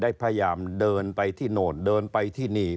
พยายามเดินไปที่โน่นเดินไปที่นี่